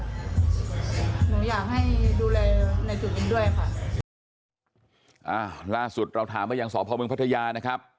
หนูอยากให้ดูแลในจุดนี้ด้วยค่ะอ่าล่าสุดเราถามไปยังสพเมืองพัทยานะครับ